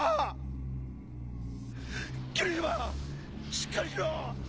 しっかりしろ！